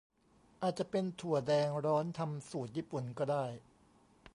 อาจจะเป็นถั่วแดงร้อนทำสูตรญี่ปุ่น ก็ได้